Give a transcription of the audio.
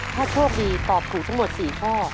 ถ้าโชคดีตอบถูกสมด๔ข้อ